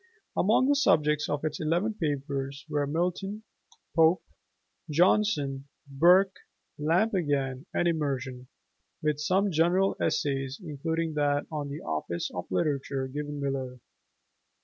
Among the subjects of its eleven papers were Milton, Pope, Johnson, Burke, Lamb again, and Emerson; with some general essays, including that on "The Office of Literature", given below.